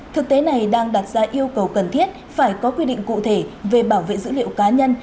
thực tế này đang đặt ra yêu cầu cần thiết phải có quy định cụ thể về bảo vệ dữ liệu cá nhân